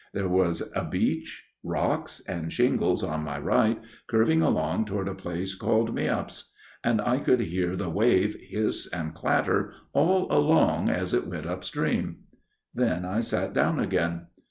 There was a beach, rocks, and shingle on my right, curving along toward a place called Meopas ; and I could hear the wave hiss and clatter all along it as it went up stream. " Then I sat down again.